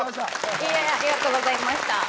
いいえありがとうございました。